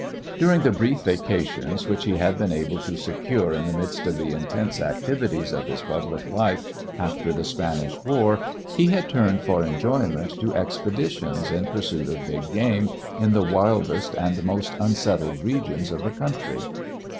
During the brief vacations which he had been able to secure in the midst of the intense activities of his public life after the Spanish War he had turned for enjoyment to expeditions in pursuit of big game in the wildest and most unsettled regions of the country.